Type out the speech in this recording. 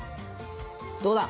どうだ！